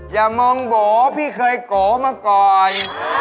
อย่ามองโบ๋พี่เคยโกมาก่อน